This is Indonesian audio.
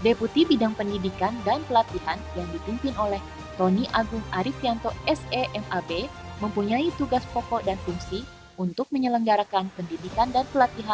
deputi bidang pendidikan dan pelatihan yang dipimpin oleh tony agung arifianto semab mempunyai tugas pokok dan fungsi untuk menyelenggarakan pendidikan dan pelatihan